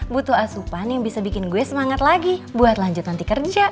butuh asupan yang bisa bikin gue semangat lagi buat lanjut nanti kerja